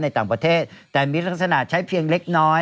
ต่างประเทศแต่มีลักษณะใช้เพียงเล็กน้อย